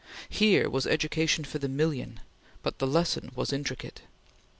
Here was education for the million, but the lesson was intricate.